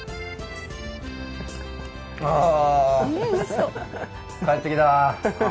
ああ！